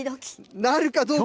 なるかどうか。